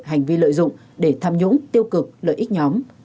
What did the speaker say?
hành vi lợi dụng để tham nhũng tiêu cực lợi ích nhóm